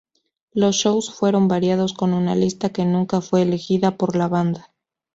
Los shows fueron variados, con una lista que nunca fue elegida por la banda.